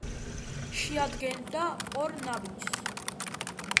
შეადგენდა ორ ნაბიჯს.